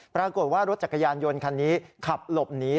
ปรากฏว่ารถจักรยานยนต์คันนี้ขับหลบหนี